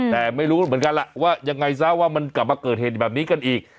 แต่ไม่รู้เหมือนกันล่ะว่ายังไงซะว่ามันกลับมาเกิดเหตุแบบนี้กันอีก